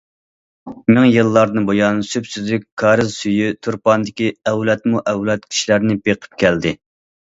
مىڭ يىللاردىن بۇيان، سۈپسۈزۈك كارىز سۈيى تۇرپاندىكى ئەۋلادمۇئەۋلاد كىشىلەرنى بېقىپ كەلدى.